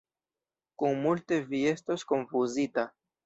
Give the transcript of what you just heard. Kun multe vi estos konfuzita.